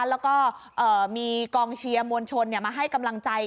แล้วก็มีกองเชียร์มวลชนมาให้กำลังใจ